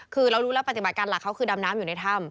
คือเรารู้แล้วปฏิบัติการหลักเขาคือดำน้ำอยู่ในถ้ำ